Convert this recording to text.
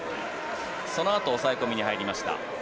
そのあと抑え込みに入りました。